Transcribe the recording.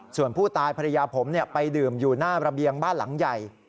ส่วนผู้ตายภรรยาผมไปดื่มอยู่หน้าระเบียงบ้านหลังใหญ่